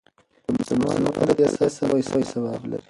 د مسلمان د پردې ساتل لوی ثواب لري.